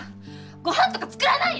ごはんとか作らない！